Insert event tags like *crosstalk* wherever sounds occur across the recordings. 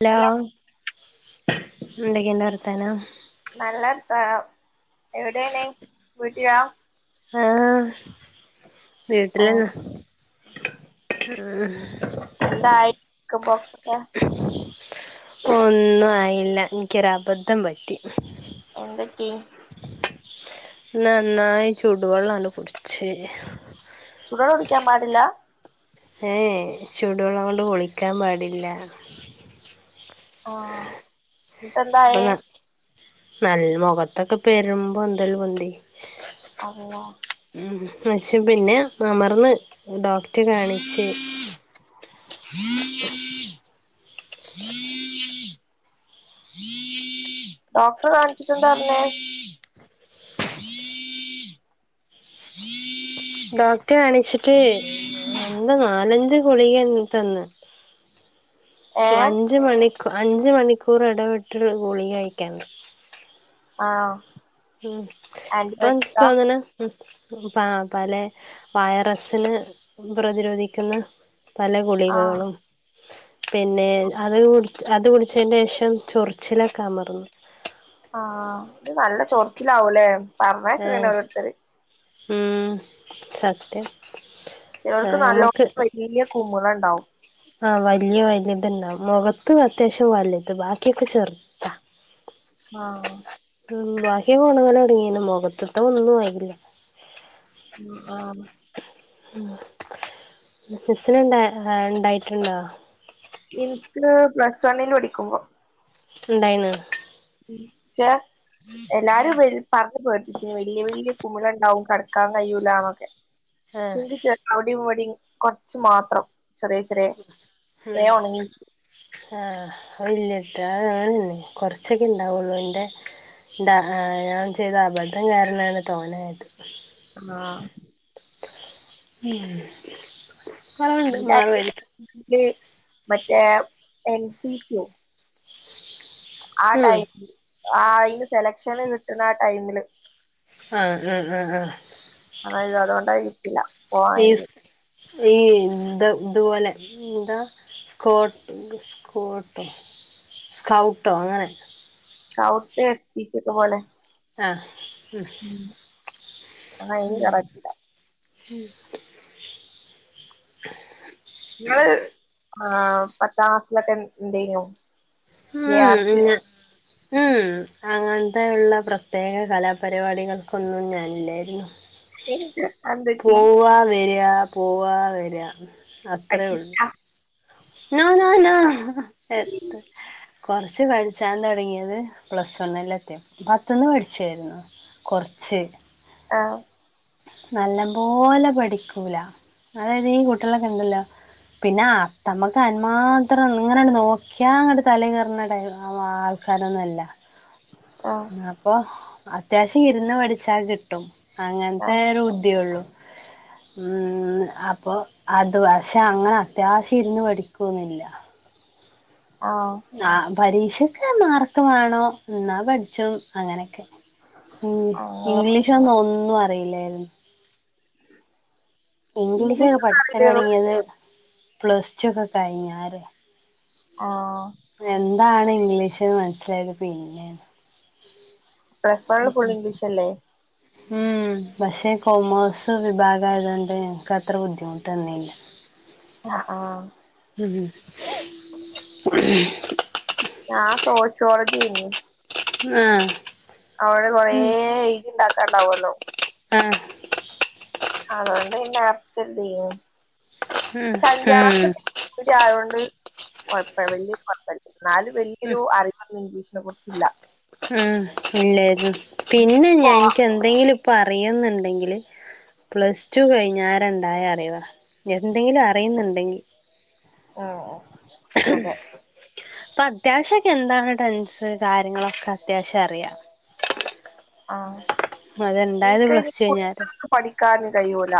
Hello എന്തൊക്കെണ്ട് വർത്താനം നല്ലർത്താനം എവിടേണ് വീട്ടിലാ ആഹ് ആഹ് വീട്ടിലന്നെ ഉം എന്തായി *unintelligible* ക്കൻ പോക്സൊക്കെ ഒന്നും ആയില്ല എനിക്കൊര് അബദ്ധം പറ്റി എന്തറ്റി നന്നായി ചുടുവെള്ളാണ്ട് കുട്ച്ച് ചൂട് വെള്ളം കുടിക്ക്യാമ്പാടില്ല ഏഹ് ഏഹ് ചുഡ്വെള്ളംകൊണ്ട് കുളിക്കാൻ പാടില്ല ആഹ് എന്നിട്ട് പ്പ ന എന്തായേ നൽ മൊഖത്തൊക്ക പെരും പൊന്തൽ പൊന്തി അല്ലാഹ് ഉം പക്ഷെ പിന്നെ അമർന്ന് ഡോക്‌റ്റെ കാണിച്ച് *inaudible* ഡോക്റ്റെ കാണിച്ചിട്ടെന്താ പറഞ്ഞെ? ഡോക്‌റ്റെ കാണിച്ചിട്ട് തന്ന് നാലഞ്ച് ഗുളിക അങ്ങ് തന്ന് ഏഹ് അഞ്ച് മണിക് അഞ്ച് മണിക്കൂർ എടവിട്ട്ള്ള ഗുളിക കഴിക്കാൻ ആണോ? ഉം ഇപ്പം ഇൻക്കങ്ങനെ ഉം പ പലെ വൈറസിന് പ്രതിരോധിക്കുന്ന പല ആഹ് ഗുളികകളും പിന്നെ അത് കുടി അത് കുടിച്ചേന്റെഷം ചൊറിച്ചിലൊക്കെ അമർന്ന് ആഹ്‌ ഇത് നല്ല ചൊറച്ചിലാവൂല്ലേ? ആഹ്‌ ഉംഹ് സത്യം ചെലോർക്ക് ആഹ് നല്ലോം നമ്മക്ക് വെല്ല്യ കുമ്ളണ്ടാവും ആഹ് വെല്ല്യ വലുത്ണ്ടാവും മുഖത്ത് അത്യാവിശ്യം വലുത് ബാക്കിയൊക്കെ ചെറു ആഹ്‌ ഉംഹ് ബാക്കിയൊക്കെ ഒണങ്ങലൊടങ്ങിയ്ണ്‌ മൊഖത്ത്ത്തെ ഒന്നും ആയില്ല മ് ആഹ് സിസ്സിന് ഇണ്ടാ ഇണ്ടായിട്ടുണ്ടോ? ഇൻക്ക് പ്ലസ് വണ്ണിന് പഠിക്കുമ്പം ഇണ്ടായിന്ന് പക്ഷേ എല്ലാരും വരും പർഞ് പേട്പ്പിച്ചീനി ‌ വല്ല്യ വല്ല്യ കുമ്ളണ്ടാവും കെടക്കാൻ കഴിയൂല്ലാന്നൊക്കെ പക്ഷേ ആഹ് ഇൻക്ക് ചെറി അവ്ടീം ഇവ്ടീം കൊർച്ച് മാത്രം ചെറിയ ചെറിയ ഉം വേം ഒണങ്ങി ആഹ് അയില്ല ട്ടോ എമ് ഉം കൊറച്ചൊക്കെ ഇൻണ്ടാവൊള്ളു ഇന്റെ ഹാ ഞാൻ ചെയ്ത അബദ്ധം കാരണാണ് തോനായത് ആഹ്‌ ഉം ഇണ്ടായിനി മറ്റേ. എൻ സി സിയോ ആ ഉം ടൈ ആ അയിന് സെലക്ഷന് കിട്ട്ണ ആ ടൈമില് ആഹ്‌ ആഹ്‌ ആഹ്‌. അതായത് അതോണ്ടായിരിക്കില്ല പോവാഞ്ഞെ ഡെയ്സ് ഈ എന്താ ഇത് ഇതുപോലെ എന്താ? സ്കോട്ട് സ്കോട്ടോ സ്കൗട്ടോ അങ്ങനെ സ്കൗട്ട് എൻ സി സിയൊക്ക പോലെ? ആഹ് ഉം അതയിന് കറക്റ്റ ഉം ളങ്ങള് ആ പത്താംക്ലാസിലൊക്കെ എന്തെയിനു? മ്ഹ് മ്ഹ് ഇല്ല ഉം ഉം അങ്ങനത്തെ ഇള്ള പ്രത്യേക കലാപരിപാടികൾക്കൊന്നും ഞാനില്ലായിരുന്നു അതെന്തെറ്റി പോവാ വരാ പോവാ വരാ അത്രേ ഉള്ളൂ നോ നോ നോ എസ് കൊർച്ച് പഠിച്ചാൻ തൊടങ്ങിയത് പ്ലസ് വണ്ണിലെത്തിയപ്പൊ പത്ത്ന്ന് പഠിച്ചുവായിരുന്നു കൊർച്ച് ആഹ് നല്ലമ്പോലെ പഠിക്കൂല. അതായത് ഈ കുട്ട്യളൊക്കെണ്ടല്ലോ പിന്നാ, ഞമ്മൾത് അയ്ൻമാത്രം ഇങ്ങനട് നോക്ക്യാങ്ങട്ട് തലേകേറ്ണ ടൈ *unintelligible* ക്കാനൊന്നല്ല. ആഹ്‌. അപ്പൊ, അത്യാവശ്യം ഇരുന്ന് പഠിച്ചാൽ കിട്ടും. അങ്ങൻത്തേ ആഹ് ഒരു ബുദ്ധ്യൊള്ളു. *inaudible* ഊം അപ്പൊ, അത് പക്ഷെ അങ്ങനെ അത്യാവശ്യം ഇര്ന്ന് പഠിക്കൊന്നുല്ല. ആഹ്‌ ആഹ് പരീക്ഷക്ക്‌ മാർക്ക് മാണോ, ഇന്നാ പഠ്ച്ചും അങ്ങനെക്കെ. മ് ആഹ് ഇംഗ്ലീഷൊന്നൊന്നും അറിയില്ലായ്ര്ന്നു. അങ്ങനെ ഇംഗ്ലീഷൊക്കെ ഇംഗ്ലീഷൊന്നും അറിയില്ലേനു പഠ്ച്ചൊലൊട്ങ്ങ്യേത് പ്ലസ്റ്റൊക്കെ കഴിഞ്ഞാരെ. ആഹ്‌ എന്താണ് ഇംഗ്ലീഷ്ന്ന് മൻസ്സിലായത് പിന്നേണ്. Plus വണ്ണ്ല് full ഇംഗ്ലീഷല്ലേ? ഉം പക്ഷേ കോമേഴ്സ് വിഭാഗായതോണ്ട് ഇൻക്കത്രെ ബുദ്ധിമുട്ടെന്നീല്ല. അ ആഹ്. ഉം. ഞാ സോഷ്യോളജ്യേനി. ആഹ് അതോണ്ട് കൊറേ എയ്തിണ്ടാക്കാണ്ടാവൊള്ളു. ആ അതോണ്ട് പിന്നെ നർച്ച്ണ്ടേനു. ഉം അഞ്ചാം ഉം ക്ലാസ്സൊട്ട് ഇവിട്യായോണ്ട് കൊഴ്പ്പ വൽയൊരു കൊഴ്പ്പല്ല. ഇന്നാലും വൽയൊരു അറിവൊന്നും ഇംഗ്ലീഷിനെ കുറിച്ചില്ല. ഊം ഇല്ലേര്ന്നു. പിന്നെ ഞാൻ പോവാ ഇൻക്കെന്തെങ്കിലും ഇപ്പ അറിയുംന്ന്ണ്ടെങ്കില് പ്ലസ് ടു കഴിഞ്ഞാരെ ഇണ്ടായ അറിവാ, എന്തെങ്കിലും അറിയുംന്ന്ണ്ടെങ്കി ആഹ് ആഹ്. ഇപ്പത്യാവശ്യൊക്കെ എന്താണ് ടെൻസ് കാര്യങ്ങളൊക്കത്യാവിശ്യറിയ. അറിയാ ആഹ്. അത്ണ്ടായത് ഇൻക്കയ്ന് പ്ലസ് ടു കഴിഞ്ഞാരെ കുത്തിര്ന്ന് പഠിക്കാൻ കയ്യൂല.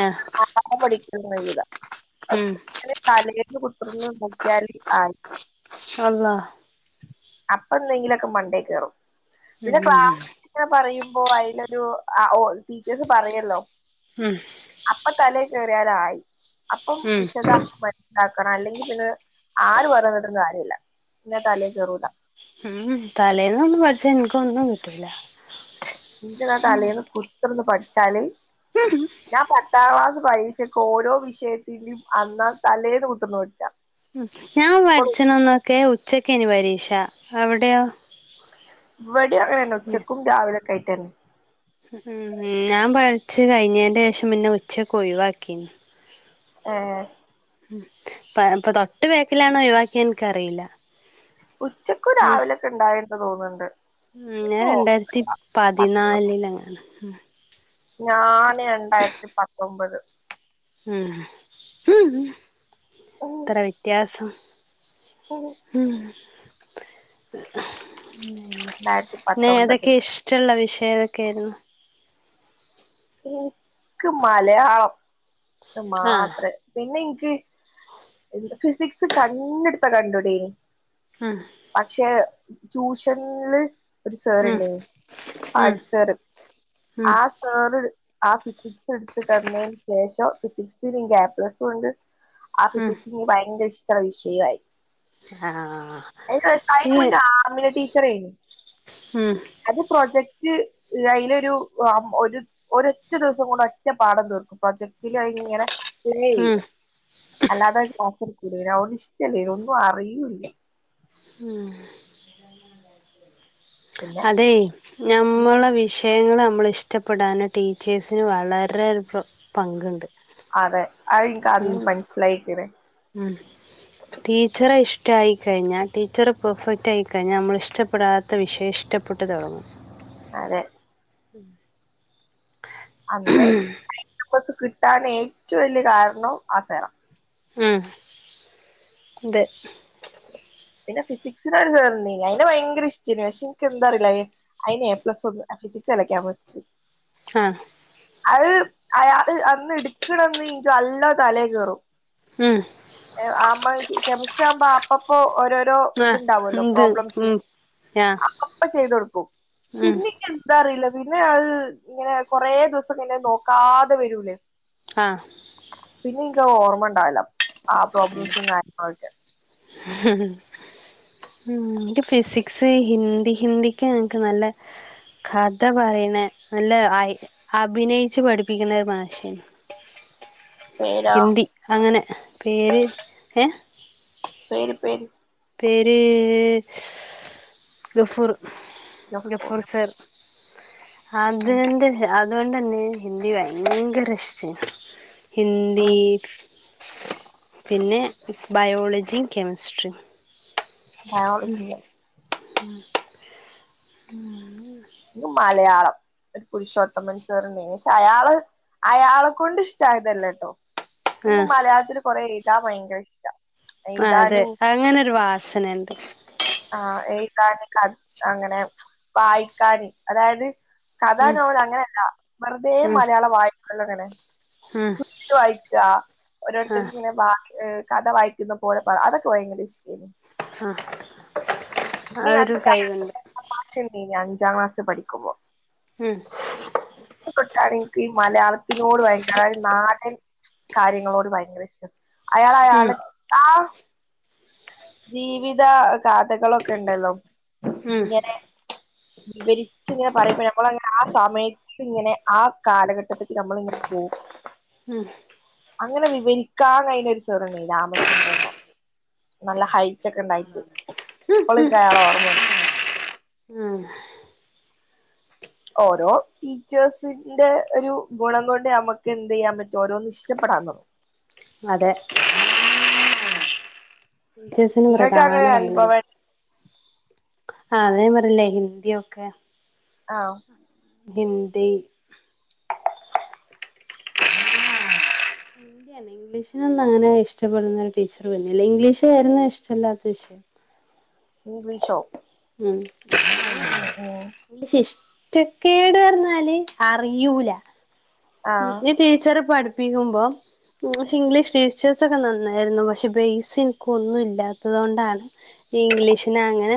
ആഹ് *unintelligible* പഠിക്കാൻ കയ്യൂല. ഉം തലേന്ന് കുത്തിർന്ന് പഠിക്കാൻ ആയി. അളളാഹ് അപ്പന്തെങ്കിലൊക്കെ മണ്ടേ കേറും. ഉം പിന്നെ ക്ലാ ങ്ങനെ പറയുമ്പോ അയ്ലൊരു അ ഒ ടീച്ചേഴ്സ് പറയെല്ലോ ഉം അപ്പ തലേ കേറിയാലായി. അപ്പം ഉം വിശദ *unintelligible* ക്കണം അല്ലെങ്കി പിന്നെ ആര് പറഞ്ഞെന്ന്ട്ടും കാര്യല്ല, ഇൻ്റെ തലേ കേറൂല. ഉം തലേന്നൊന്നും പഠ്ച്ചാ ഇൻക്കൊന്നും കിട്ടൂല. ഇൻക്ക്ന്നാ തലേന്ന് കുത്ത്ർന്ന് പഠ്ച്ചാല് ഉ ഹും. ഞാൻ പത്താം ക്ലാസ് പരീക്ഷക്ക്- ഓരോ വിഷയത്തിനും, അന്നാന്ന് തലേന്ന് കുത്തർന്ന് പഠിച്ചാ- ഉം, ഞാൻ പഠിച്ചണന്നൊക്കെ- ഉച്ചക്കേനി പരീക്ഷ. അവിടെയോ? ഇവടിം അങ്ങനെന്നെ, ഉച്ചക്കും- രാവിലൊക്കെ ആയിട്ടെന്നെ- ഉം ഞാൻ പഠിച്ച് കഴിഞ്ഞേന്റെ- ശേഷം പിന്നെ ഉച്ചക്ക്- ഒഴിവാക്കിണ്. ഹേ, ഉം.., ഇപ്പ, ഇപ്പോ തൊട്ട്- ബേക്കിലാണോ ഒഴിവാക്കി- ഇൻക്കറിയില്ല. ഉച്ചക്കും, രാവിലൊക്കെ ഉണ്ടായിന്ന്- തോന്ന്ണ്ട്. ഉം ഞാൻ രണ്ടായിരത്തി- പത്താം പതിനാലിലങ്ങാണ്. ഉം, ഞാന് രണ്ടായിരത്തി- പത്തൊമ്പത്, ഉം..., എത്ര വ്യത്യാസം. *unintelligible* ഉം, രണ്ടായിരത്തി പിന്നെ എതൊക്കെ പത്തൊമ്പതില് ഇഷ്- ടള്ള വിഷയം എതൊക്കെ- ആയിരുന്നു. ഇൻക്ക് മലയാളം, ആഹ് മാത്രേ പിന്നെ- ഇൻക്ക്- ഫിസിക്സ് കണ്ണെടുത്ത കണ്ടുടേനി. ആഹ്, പക്ഷെ ട്യൂഷന്ല്- ഒരു സാറ്ണ്ടേനി, ഉം ഉം *unintelligible* സാറ് ഉം ആഹാ സാറ്. ആഹാ ഫിസിക്സ് എടുത്ത്. തന്നയിന് ശേഷം ഫിസിക്സ്‌ല്- ഇൻക്ക് എപ്ലസ് ഉണ്ട്. ആ ഉം ഫിസിക്സിനി ഭയങ്കര- ഇഷ്ടള്ള വിഷയമായി. ആഹ് കഴിഞ്ഞ വർഷ അയിന് പിന്നെ മുമ്പ്- ആമിന ടീച്ചറെ- ഉം അത് പ്രൊജക്ട്, അയ്ലൊരു, ഒരു- ഒരൊറ്റ ദിവസം കൊണ്ട് ഒറ്റ- പാടം തീർക്കും പ്രൊജക്- റ്റ്ലയിങ്ങനെ പിന്നെയ് ഉം അല്ലാതെ. അവ്ടെ ഇഷ്ടല്ലേ ഒന്നും അറിയൂല്ല. ഉം, പിന്നെ അതെയ് ഞമ്മളെ വിശ- ഷയങ്ങള് നമ്മളിഷ്ടപ്പെടാന്- ടീച്ചേഴ്സിന് വളരെ പങ്കുണ്ട്. അതെ ഉം അയിൻക്കന്ന്- മനസ്സിലായിക്ക്ണ്. ഉം, ടീച്ചറെ ഇഷ്ടായിക്കഴിഞ്ഞാ, ടീച്ചറ് പെഫെക്റ്റ് ആയിക്കഴിഞ്ഞാ, നമ്മളിഷ്ട- പ്പെടാത്ത വിഷയഷ്ടപ്പെട്ട്- തൊടങ്ങും. അതെ, ഉം, അന്ന് കിട്ടാനേറ്റോം വല്യ- കാര്ണോം ആ സേറാ- ഉം, ത് പിന്നെ ഫിസിക്സിനൊരു സേറ്- ണ്ടെയ്നി അയ്നെ- ഭയങ്കരഷ്ടയ്ന്. പക്ഷെൻക്കെന്താറിയില്ല- അയ്നേപ്ലസൊന്നൂല്ല, ഫിസിക്സല്ല, കെമിസ്ട്രി- ആഹാ, അത് അയ അത്ട്ക്ക്ണന്ന്ൻക്ക്- നല്ലോം തലെ കേറും. ഉം ആമ്മ കെമസ്ട്രിയാകുമ്പോ- അപ്പപ്പോ. രോരോ ആഹ് ഇത്ണ്ടല്ലോ, ഇത് പ്രോബ്ളംസ്. ഉം ആഹ് അപ്പപ്പോ ചെയ്തൊട്ക്കും ഉം പിന്നെ, ക്കെന്താറില്ല പിന്നെ അതങ്ങനെ- കൊറേ ദിവസം കയ്ഞ്ഞഅത്- നോക്കാതെ വരൂലേ. ആഹ്, പിന്നെൻക്കതോർമ് ണ്ടാവില്ല. ആഹ്, പ്രോബ്ലംസും, കാര്യങ്ങളൊക്കെ- ഹും, ഉം ക്ക് ഫിസിക്സ്, ഹിന്ദി, ഹിന്ദിക്ക് ഞങ്ങക്ക് നല്ല- കഥ പറയ്ണ നല്ല അയ് അഭിനയിച്ച് പഠിപ്പിക്ക്ണൊരു മാഷയ്ന് പേരോ ഹിന്ദി അങ്ങനെ പേര് ഏഹ് പേര് പേര് പേര് ഗഫൂറ് ഗഫൂർ സർ അതോണ്ട അതോണ്ടന്നെ ഹിന്ദി ഭയങ്കര ഇഷ്ടയ്നു ഹിന്ദി പിന്നെ ബയോളജീം കെമസ്ട്രീം ബയോളജി ലെ മ് മ് ഇൻക്ക് മലയാളം ഒരു പുരുഷോത്തമൻ സാറ്ണ്ടയ്ന് ക്ഷെ അയാള് അയാളെക്കൊണ്ട് ഇഷ്ടായതല്ലട്ടോ ഇൻക് ആഹ് മലയാളത്തില് കൊറെ എയ്താ ഭയങ്കരിഷ്ടാ ആഹ് അതെ അങ്ങനൊരു വാസന ണ്ട് ആഹ് എയ്താന് ക അങ്ങനെ വായിക്കാന് അതായത് കഥ ഉം നോവലങ്ങനല്ല വെറുതേ ഉം മലയാളം വായ്ക്കോലങ്ങനെ ഉം ബുക്ക്‌ വായിക്ക ആ ഓരോരുത്തര്ക്ക്ങ്ങനെ ബ കഥ വായിക്കുന്ന പോലെ പ അതൊക്കെ ഭയങ്കര ഇഷ്ടേന് ഹ അതൊരു കൈവന്നെ മാഷ്ണ്ടയ്ന് അഞ്ചാം ക്ലാസി പഠിക്ക്മ്പൊ ഉം ക്ക് തൊട്ടാണ് ഇൻക്കി മലയാളത്തിനോട് ഭയങ്കര അതായത് നാ ട്ടിലെ കാര്യങ്ങളോട് ഭയങ്കരഷ്ടം ഉം അയാളയാളെ ആഹ് ജീവിത കാഥകളൊക്കെണ്ടല്ലോ ഉം വിവരിച്ച്ങ്ങനെ പറയുമ്പ ഞമ്മളങ്ങനാ സമയ ത്തിങ്ങനെ ആ കാലഘട്ടത്ത്ക്ക് ഞമ്മള് ങ്ങനെ പോവും ഉം അങ്ങനെ വിവരിക്കാൻ കഴിഞ്ഞ ഒരു സർ ഉണ്ടായ്നി രാമചന്ദ്രൻ ന്നാ നല്ല ഹൈ റ്റൊക്കെ ഉണ്ടായിട്ട് ഉം പ്പളും ഉം എനിക്കയാളെ ഓർമ്മയണ്ട് ഉം ഓരോ ടീച്ചേഴ്സി ന്റെ ഒരു ഗുണം കൊണ്ട് നമുക്ക് എന്ത് ചെയ്യാൻ പറ്റും ഓരോന്ന് ഇഷ്ടപ്പെടാൻ തുടങ്ങും അതെ ടീച്ചേഴസിന് നിങ്ങൾക്ക് പ്രധാന അങ്ങനെ പങ്കല്ലെ അനുഭവം ആ അത് ഞാൻ പറഞ്ഞില്ലേ ഹിന്ദിയൊക്കെ ആഹ് ഹിന്ദി ഇംഗ്ലീഷിനൊന്നുംങ്ങനെ ഇഷ്ടപ്പെടുന്ന ഒരു ടീച്ചർ വരുന്നില്ല ഇംഗ്ലീഷ് ആയിരുന്നു ഇഷ്ടല്ലാത്ത വിഷയം ഇംഗ്ലീഷോ ഉം ഓ ഓ ഇംഗ്ലീഷിഷ്ടക്കേട് പറഞ്ഞാല് അറിയൂല ആ ഈ ടീച്ചറ് പഠിപ്പിക്കുമ്പം പക്ഷെ ഇംഗ്ലീഷ് ടീച്ചേഴ്സൊക്കെ നന്നായിരുന്നു പക്ഷെ ബേസ് എനക്ക് ഒന്നും ഇല്ലാത്തത് കൊണ്ടാണ് ഇംഗ്ലീഷ്ന് അങ്ങനെ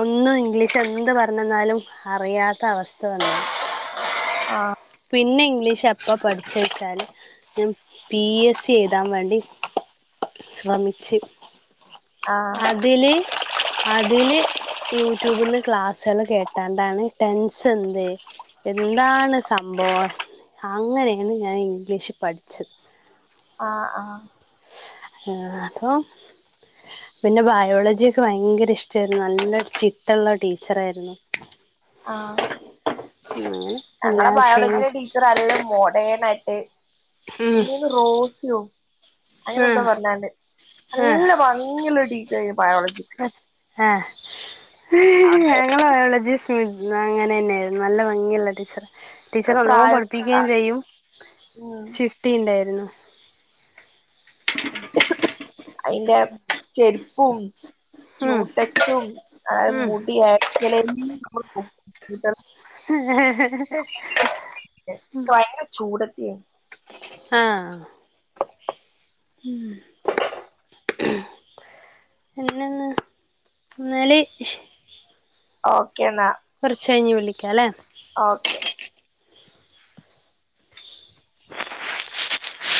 ഒന്നും ഇംഗ്ലീഷ് എന്ത് പറഞ്ഞന്നാലും അറിയാത്ത അവസ്ഥ വന്നത് ആഹ് പിന്നെ ഇംഗ്ലീഷ് അപ്പ പഠിച്ച് വെച്ചാല് ഞാൻ പി എസ് സി എഴുതാൻ വേണ്ടി ശ്രമിച്ച്. ആ അതില് അതില് യൂട്യൂബില് ക്ലാസ്സള് കേട്ടാണ്ടാണ് ടെൻസെന്ത് എന്താണ് സംഭവം അങ്ങനെണ് ഞാൻ ഇംഗ്ലീഷ് പഠിച്ച്. ആഹ് ആഹ് ആഹ് പ്പം പിന്നെ ബയോളജ്യൊക്കെ ഭയങ്കരിഷ്ട്ടേര്ന്നു നല്ല ചിട്ടള്ള ടീച്ചറായിരുന്നു. ആഹ് ഉം ഞങ്ങളെ ബയോളജിൻ്റെ ടീച്ചർ അല്ല മോഡേണായിട്ട് ഉം എന്തേനി റോസ്യോ അങ്ങനെ ന്തോ ആഹ് പർഞ്ഞാണ്ട് നല്ല ആഹ് ഭംഗിള്ള ടീച്ചറേനി ബയോളജിക്ക് ആഹ് *unintelligible* അവന്റെ തങ്ങളെ ബയോളജി *unintelligible* അങ്ങനെ ന്നായായിരുന്നു നല്ല ഭംഗിള്ള ടീച്ചറാ ടീച്ചർ നല്ലോം പ്രായം പഠിപ്പിക്കേം ചെയ്യും ഉം ചിട്ടിണ്ടായിരുന്നു. *unintelligible* അയ്ന്റെ ചെര്പ്പും ഉം ക്യൂട്ട ക്‌സും അത് ഉം മുടി *unintelligible* *unintelligible* ഭയങ്കര ചൂടത്തി ആഹ് ഉം പിന്നെന്താ എന്നാല് ഇഷ് ഓക്കേ ന്നാ കൊർച്ചഴിഞ്ഞ് വിളിക്കാല്ലേ ഓക്കെ *unintelligible*